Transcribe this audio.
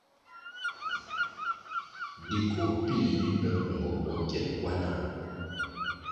Di koh pil ji peh kumbo bwo kyen wanah.